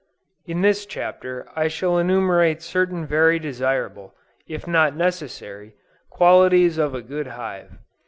In this chapter, I shall enumerate certain very desirable, if not necessary, qualities of a good hive.